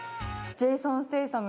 ジェイソン・ステイサム！